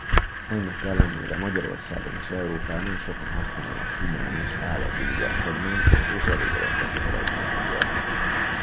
Ennek ellenére Magyarországon és Európában sokan használják humán és állatgyógyászatban és elégedettek az eredményeivel.